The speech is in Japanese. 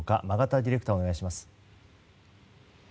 ディレクターお願いします。